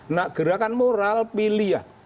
nah gerakan moral pilih ya